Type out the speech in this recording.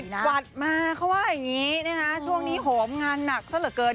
วัดมาเขาว่าอย่างนี้นะคะช่วงนี้โหมงานหนักซะเหลือเกิน